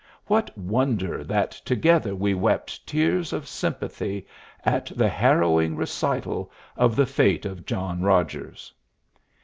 What wonder that together we wept tears of sympathy at the harrowing recital of the fate of John Rogers!